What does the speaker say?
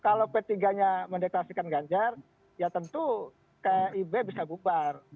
ya saya sih melihat kalau p tiga nya mendeklarasikan ganjar ya tentu kib bisa bubar